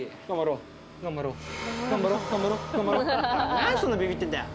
何でそんなビビってんだよ！